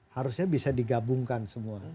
harusnya bisa digabungkan semua